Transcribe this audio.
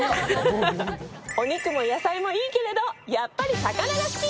お肉も野菜もいいけれどやっぱり魚が好き。